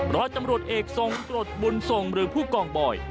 ร้อยจำรวจเอกสงฆ์หรือผู้กองบ่อย